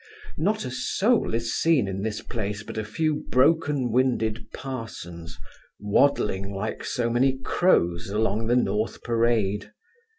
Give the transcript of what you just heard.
Not a soul is seen in this place, but a few broken winded parsons, waddling like so many crows along the North Parade.